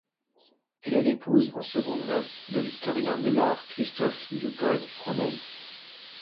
Elle est l'épouse en secondes noces de l'historien de l'art Christoph Luitpold Frommel.